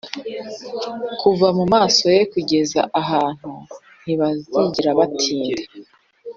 kuva mumaso ye kugeza ahantu ntibazigera batinda.